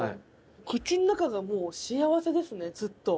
口ん中がもう幸せですねずっと。